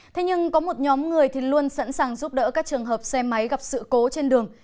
thế nhưng có một nhóm người thì luôn sẵn sàng giúp đỡ các trường hợp xe máy gặp sự cố trên đường